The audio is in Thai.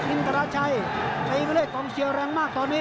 อินทราชัยตีไปเลยกองเชียร์แรงมากตอนนี้